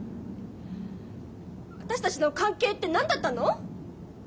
私たちの関係って何だったの？